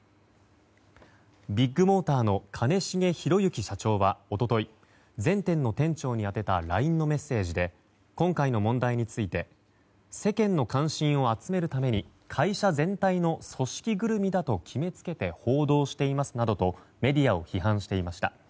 ビッグモーターの兼重宏行社長は一昨日全店の店長に宛てたＬＩＮＥのメッセージで今回の問題について世間の関心を集めるために会社全体の組織ぐるみだと決めつけて報道していますなどとメディアを批判していました。